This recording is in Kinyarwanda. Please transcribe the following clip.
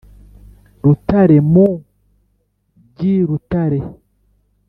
rutare mu ry’i rutare